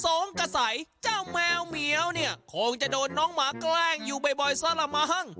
สองกระส่ายเจ้าแมวเหมียวเนี่ยโคนจะโดนน้องหมาแกล้งอยู่บ่ยสระม้าง